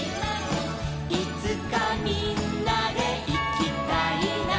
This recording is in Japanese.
「いつかみんなでいきたいな」